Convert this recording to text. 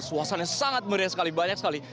suasana sangat meriah sekali banyak sekali